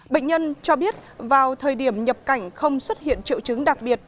bệnh nhân cho biết vào thời điểm nhập cảnh không xuất hiện triệu chứng đặc biệt